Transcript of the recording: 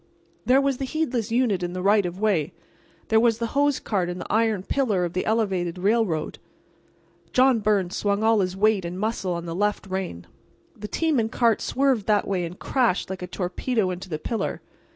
There was the heedless unit in the right of way; there was the hose cart and the iron pillar of the elevated railroad. John Byrnes swung all his weight and muscle on the left rein. The team and cart swerved that way and crashed like a torpedo into the pillar.